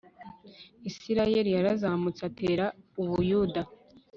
isirayeli yarazamutse atera u buyuda